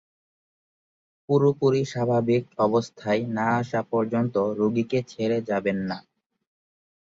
পুরোপুরি স্বাভাবিক অবস্থায় না আসা পর্যন্ত রোগীকে ছেড়ে যাবেন না।